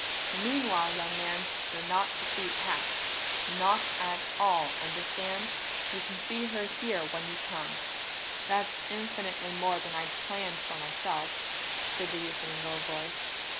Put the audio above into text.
"Meanwhile, young man, you're not to see Pat. Not at all understand? You can see her here when you come." "That's infinitely more than I'd planned for myself," said the youth in a low voice.